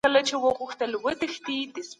ما د سید قطب د ژوند په اړه ولوستل.